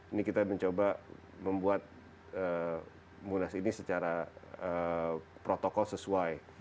ini kita mencoba membuat munas ini secara protokol sesuai